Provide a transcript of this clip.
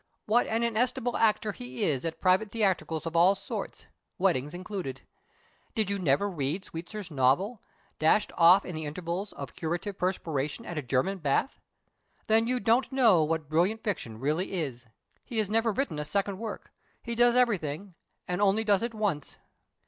What an inestimable actor he is at private theatricals of all sorts (weddings included)! Did you never read Sweetsir's novel, dashed off in the intervals of curative perspiration at a German bath? Then you don't know what brilliant fiction really is. He has never written a second work; he does everything, and only does it once.